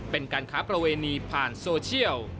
เป็นการค้าประเวณีผ่านโซเชียล